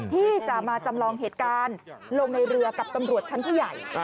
ที่จะมาจำลองเหตุการณ์ลงในเรือกับตำรวจชั้นผู้ใหญ่